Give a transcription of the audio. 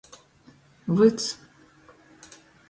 Vyds.